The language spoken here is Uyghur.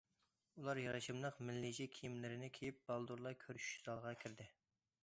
ئۇلار يارىشىملىق مىللىيچە كىيىملىرىنى كىيىپ، بالدۇرلا كۆرۈشۈش زالىغا كىردى.